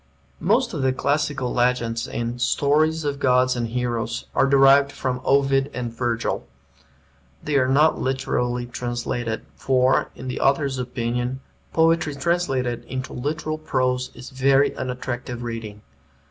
Most of the classical legends in "Stories of Gods and Heroes" are derived from Ovid and Virgil. They are not literally translated, for, in the author's opinion, poetry translated into literal prose is very unattractive reading.